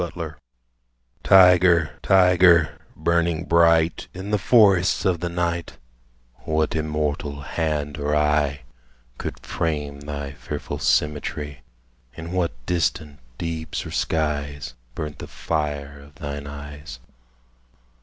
THE TYGER Tyger, tyger, burning bright In the forests of the night, What immortal hand or eye Could frame thy fearful symmetry? In what distant deeps or skies Burnt the fire of thine eyes?